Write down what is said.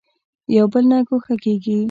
یو بل نه ګوښه کېږي.